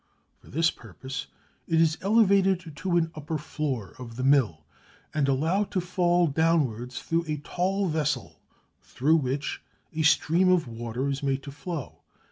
For this purpose it is elevated to an upper floor of the mill, and allowed to fall downwards through a tall vessel through which a stream of water is made to flow.